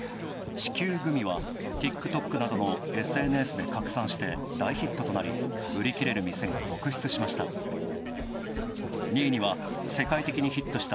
地球グミは、ＴｉｋＴｏｋなどのＳＮＳで拡散して大ヒットとなり売り切れる店が続出しました。